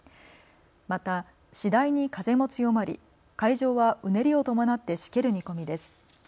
また、次第に風も強まり海上はうねりを伴ってしける見込みです。